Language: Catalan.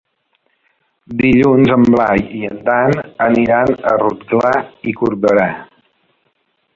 Dilluns en Blai i en Dan aniran a Rotglà i Corberà.